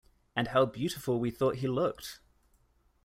And how beautiful we thought he looked!